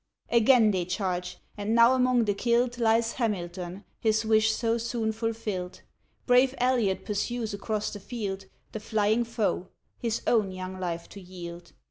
Again they charge! and now among the killed Lies Hamilton, his wish so soon fulfilled, Brave Elliott pursues across the field The flying foe, his own young life to yield.